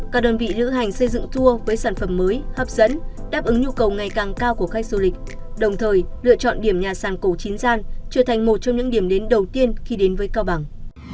các đơn vị lữ hành xây dựng tour với sản phẩm mới hấp dẫn đáp ứng nhu cầu ngày càng cao của khách du lịch đồng thời lựa chọn điểm nhà sàn cổ chín gian trở thành một trong những điểm đến đầu tiên khi đến với cao bằng